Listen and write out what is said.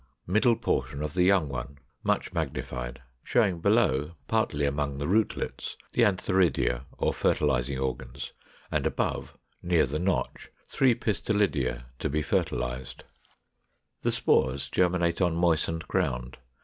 Middle portion of the young one, much magnified, showing below, partly among the rootlets, the antheridia or fertilizing organs, and above, near the notch, three pistillidia to be fertilized.] 489. The spores germinate on moistened ground.